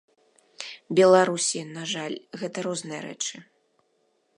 Беларусі, на жаль, гэта розныя рэчы.